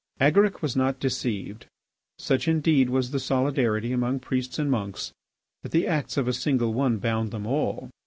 Agaric was not deceived. Such, indeed, was the solidarity among priests and monks that the acts of a single one bound them all.